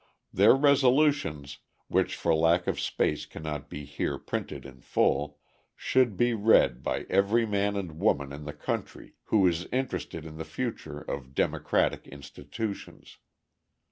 Their resolutions, which for lack of space cannot be here printed in full, should be read by every man and woman in the country who is interested in the future of democratic institutions.